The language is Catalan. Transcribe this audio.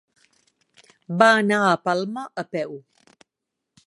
Va anar a Palma a peu.